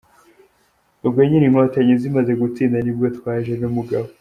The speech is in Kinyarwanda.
Ubwo nyine Inkotanyi zimaze gutsinda ni bwo twaje n’umugabo.